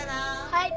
はい。